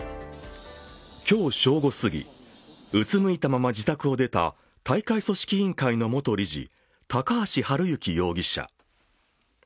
今日正午すぎ、うつむいたまま自宅を出た大会組織委員会の元理事高橋治之容疑者。